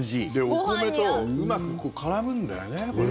お米とうまく絡むんだよね、これ。